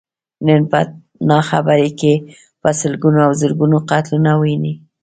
نن په ناخبرۍ کې په سلګونو او زرګونو قتلونه ويني.